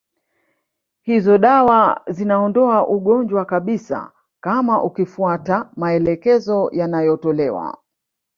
Hizo dawa zinaondoa ugonjwa kabisa kama ukifuata maelekezo yanayotolewa